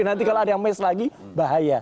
nanti kalau ada yang match lagi bahaya